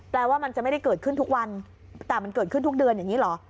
ว่ามันจะไม่ได้เกิดขึ้นทุกวันแต่มันเกิดขึ้นทุกเดือนอย่างนี้เหรอ